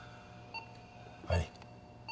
はい。